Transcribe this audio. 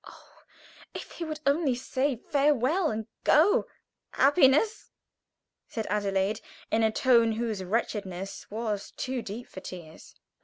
Oh, if he would only say "Farewell," and go! "Happiness!" echoed Adelaide, in a tone whose wretchedness was too deep for tears.